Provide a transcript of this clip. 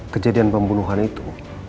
kejadian pembunuhan itu